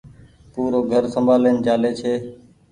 پورو گهر سمبآلين چآلي ڇي۔